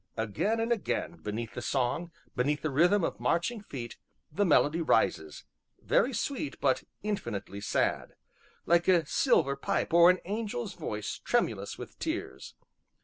Again and again, beneath the song, beneath the rhythm of marching feet, the melody rises, very sweet but infinitely sad, like a silver pipe or an angel's voice tremulous with tears.